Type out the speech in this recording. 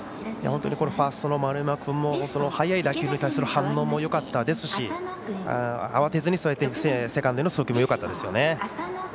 本当にファーストの丸山君も速い打球に対する反応もよかったですし慌てずにセカンドへの送球もよかったですよね。